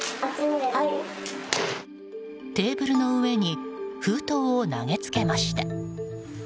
テーブルの上に封筒を投げつけました。